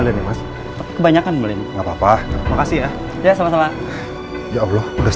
tidak ada yang bisa dihukum